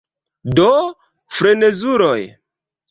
Do, frenezuloj.